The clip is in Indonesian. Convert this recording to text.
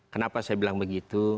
kenapa saya bilang begitu